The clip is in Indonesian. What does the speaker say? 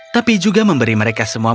tapi juga memberi mereka sepenuh hati